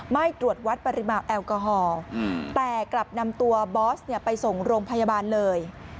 ไม่ตรวจวัดปริมาณแอลกอฮอล์แต่กลับนำตัวบอสไปส่งโรงพยาบาลเลย